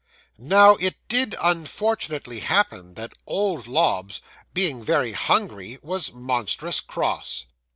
'Now it did unfortunately happen that old Lobbs being very hungry was monstrous cross.